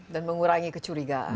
dan mengurangi kecurigaan